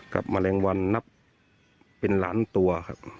แมลงวันนับเป็นล้านตัวครับ